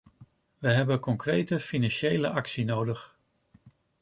We hebben concrete financiële actie nodig.